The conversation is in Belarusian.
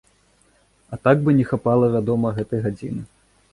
А так бы, не хапала, вядома, гэтай гадзіны.